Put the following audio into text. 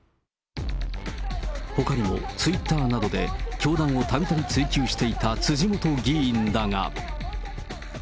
ほかにもツイッターなどで、教団をたびたび追及していた辻元議員だが。